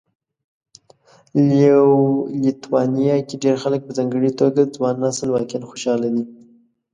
لیتوانیا کې ډېر خلک په ځانګړي توګه ځوان نسل واقعا خوشاله دي